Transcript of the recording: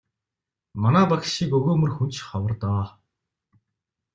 Манай багш шиг өгөөмөр хүн ч ховор доо.